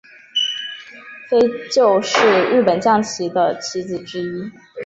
飞鹫是日本将棋的棋子之一。